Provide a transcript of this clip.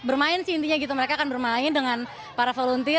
bermain sih intinya gitu mereka akan bermain dengan para volunteer